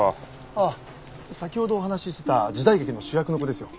ああ先ほどお話ししてた時代劇の主役の子ですよ。